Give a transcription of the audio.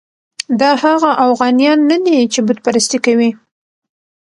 دا هغه اوغانیان نه دي چې بت پرستي کوي.